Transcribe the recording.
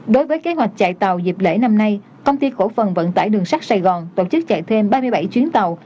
đối với kế hoạch chạy tàu dịp lễ năm nay công ty cổ phần vận tải đường sắt sài gòn tổ chức chạy thêm ba mươi bảy chuyến tàu